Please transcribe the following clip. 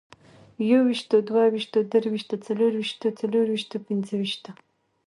يوويشتو، دوه ويشتو، درويشتو، څلرويشتو، څلورويشتو، پنځه ويشتو